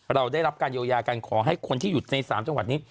เราได้รับการเยียวยากันขอให้คนที่หยุดใน๓จังหวัดนี้